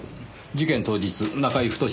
事件当日中居太が。